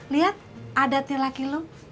lihat adatnya laki lo